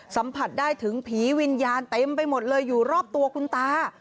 สัมผัสได้ถึงผีวิญญาณเต็มไปหมดเลยอยู่รอบตัวคุณตา